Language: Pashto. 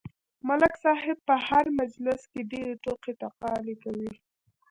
ملک صاحب په هر مجلس کې ډېرې ټوقې ټکالې کوي.